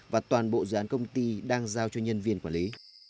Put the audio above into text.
và toàn bộ dự án công ty đang giao cho nhân viên quản lý